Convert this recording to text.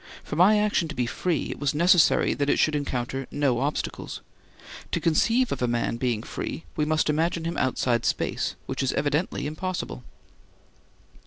For my action to be free it was necessary that it should encounter no obstacles. To conceive of a man being free we must imagine him outside space, which is evidently impossible.